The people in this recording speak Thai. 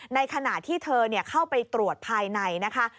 ในขณะที่เธอเข้าไปตรวจภายในนะคะ